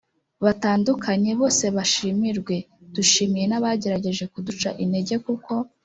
batandukanye, bose bashimirwe. dushimiye n’abagerageje kuduca intege, kuko